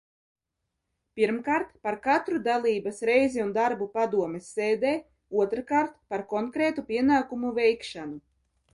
Pirmkārt, par katru dalības reizi un darbu padomes sēdē, otrkārt, par konkrētu pienākumu veikšanu.